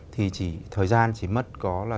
thời gian chỉ mất có ba năm